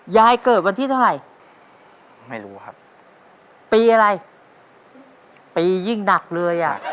เกิดวันที่เท่าไหร่ไม่รู้ครับปีอะไรปียิ่งหนักเลยอ่ะ